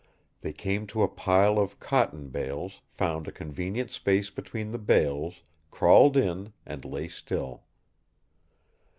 They came to a pile of cotton bales, found a convenient space between the bales, crawled in, and lay still.